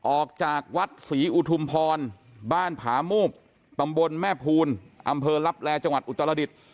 ออกจากวัดศรีอุทุมพรบ้านผามูบตำบลแม่ภูลอำเภอลับแลจังหวัดอุตรดิษฐ์